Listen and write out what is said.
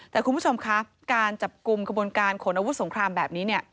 แต่คุณผู้ชมคะการจับกลุ่มขบวนการขนอาวุธสงครามแบบนี้